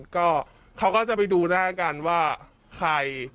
ก็เขาก็จะไปดูหน้ากันว่าใคร